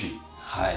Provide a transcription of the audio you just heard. はい。